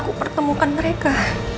aku pertemukan mereka